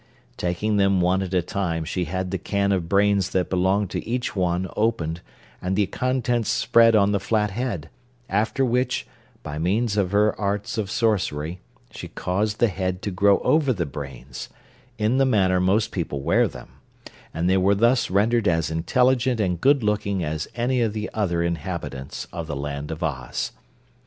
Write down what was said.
Taking them one at a time, she had the can of brains that belonged to each one opened and the contents spread on the flat head, after which, by means of her arts of sorcery, she caused the head to grow over the brains in the manner most people wear them and they were thus rendered as intelligent and good looking as any of the other inhabitants of the Land of Oz.